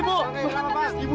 bu tolong lepasin bu